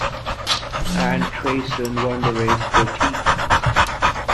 Ann Trason won the race fourteen times.